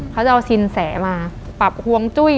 เขาจะเอาสินแสมาปรับฮวงจุ้ย